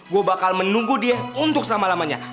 gue bakal menunggu dia untuk selama lamanya